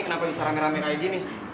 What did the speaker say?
kenapa bisa rame rame ke aja ini